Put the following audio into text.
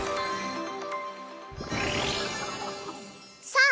さあ！